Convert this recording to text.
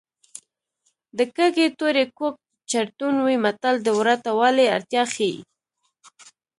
د کږې تورې کوږ چړتون وي متل د ورته والي اړتیا ښيي